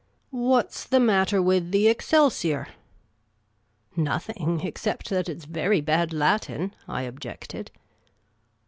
What 's the matter with the Excelsior f " Nothing, except that it 's very bad Latin," I objected.